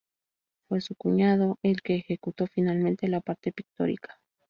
Fue su cuñado el que ejecutó finalmente la parte pictórica.